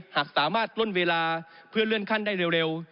หากสามารถล่นเวลาเพื่อเลื่อนขั้นได้เร็ว